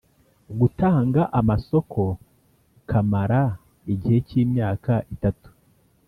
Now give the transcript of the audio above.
gutanga amasoko kamara igihe cy imyaka itatu